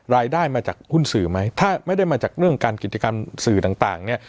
รายได้มาจากหุ้นสื่อไหมถ้าไม่ได้มาจากเรื่องการกิจกรรมสื่อต่างเนี่ย